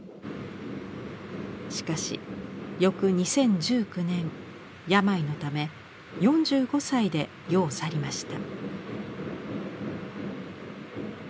しかし翌２０１９年病のため４５歳で世を去りました。